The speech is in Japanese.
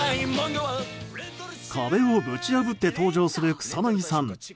壁をぶち破って登場する草なぎさん。